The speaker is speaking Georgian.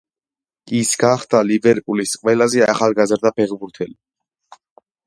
ის გახდა „ლივერპულის“ ყველაზე ახალგაზრდა ფეხბურთელი.